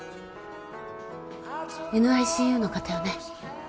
ＮＩＣＵの方よね？